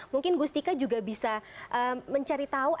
mungkin gustika juga bisa mencari tahu